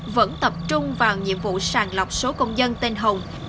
vẫn tập trung vào nhiệm vụ sàng lọc số công dân tên hồng